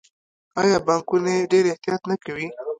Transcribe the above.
آیا بانکونه یې ډیر احتیاط نه کوي؟